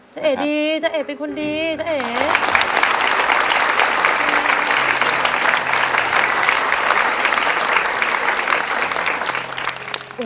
จ๊ะเอ๊ะดีจ๊ะเอ๊ะเป็นคนดีจ๊ะเอ๊ะนะครับ